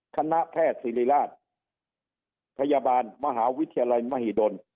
คณะแพทย์ศิริราชพยาบาลมหาวิทยาลัยมหิดล